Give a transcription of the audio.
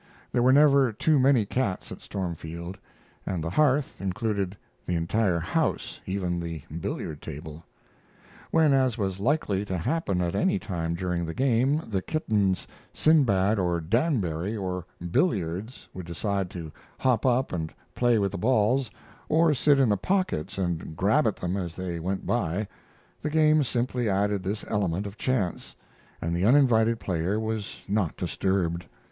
There were never too many cats at Stormfield, and the "hearth" included the entire house, even the billiard table. When, as was likely to happen at any time during the game, the kittens Sinbad, or Danbury, or Billiards would decide to hop up and play with the balls, or sit in the pockets and grab at them as they went by, the game simply added this element of chance, and the uninvited player was not disturbed.